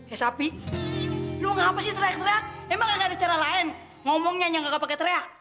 eh sapi lo ngapasih teriak teriak emang gak ada cara lain ngomong nyanyi ngagak pakai teriak